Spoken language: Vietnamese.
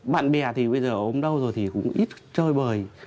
bạn bè thì bây giờ ông đâu rồi thì cũng ít chơi bời